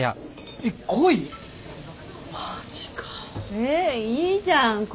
えいいじゃん恋。